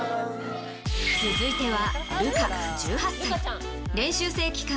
続いては。